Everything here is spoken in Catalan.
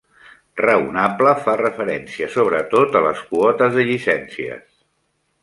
Raonable fa referència sobretot a les quotes de llicències.